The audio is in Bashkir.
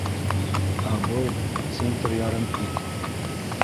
Ә был... центер ярым ит.